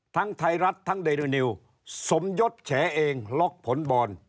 ไทยรัฐทั้งเดรุนิวสมยศแฉเองล็อกผลบอล